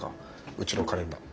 うちのカレンダー。